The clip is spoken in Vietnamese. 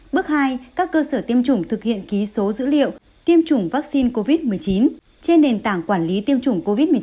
bước hai các cơ sở tiêm chủng thực hiện ký số dữ liệu tiêm chủng vaccine covid một mươi chín trên nền tảng quản lý tiêm chủng covid một mươi chín